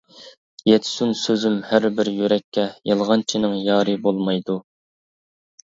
يەتسۇن سۆزۈم ھەر بىر يۈرەككە، يالغانچىنىڭ يارى بولمايدۇ.